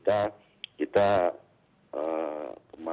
kita harus mencari penyakit yang lebih baik